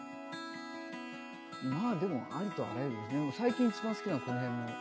まあでもありとあらゆる最近一番好きなのはこの辺の。